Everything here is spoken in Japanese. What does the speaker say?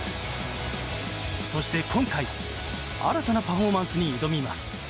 そして今回、新たなパフォーマンスに挑みます。